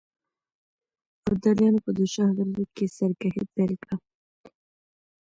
ابداليانو په دوشاخ غره کې سرکښي پيل کړه.